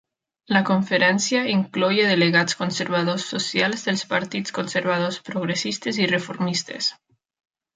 La conferència incloïa delegats conservadors socials dels Partits conservadors progressistes i reformistes.